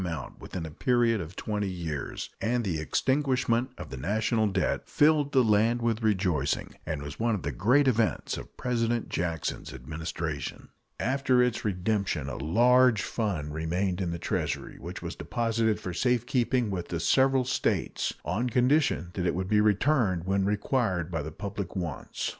Wise and economical legislation, however, enabled the Government to pay the entire amount within a period of twenty years, and the extinguishment of the national debt filled the land with rejoicing and was one of the great events of President Jackson's Administration. After its redemption a large fund remained in the Treasury, which was deposited for safe keeping with the several States. on condition that it should be returned when required by the public wants.